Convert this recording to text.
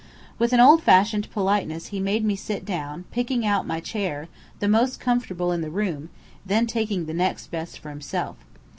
With an old fashioned politeness he made me sit down, picking out my chair, the most comfortable in the room, then taking the next best for himself.